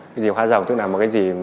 cái gì hóa rồng tức là một cái gì